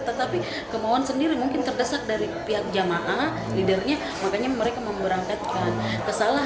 tetapi kemauan sendiri mungkin terdesak dari pihak jemaah